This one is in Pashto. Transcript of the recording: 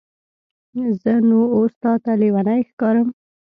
زه نو اوس تاته لیونی ښکارم؟